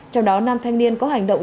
trong đó nam thanh niên có hành động